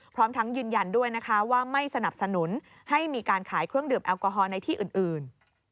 พร้อมทั้งยืนยันด้วยนะคะว่าไม่สนับสนุนให้มีการขายเครื่องดื่มแอลกอฮอล์ในที่อื่น